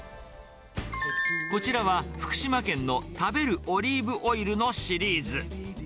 こちらは福島県の食べるオリーブオイルのシリーズ。